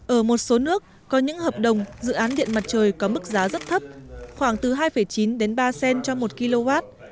ở một số nước có những hợp đồng dự án điện mặt trời có mức giá rất thấp khoảng từ hai chín đến ba cent cho một kw